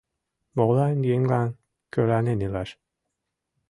Молан еҥлан кӧранен илаш?